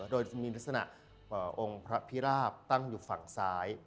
โดยจะมีลักษณะองค์พระพิราบตั้งอยู่ฝั่งซ้าย